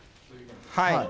はい。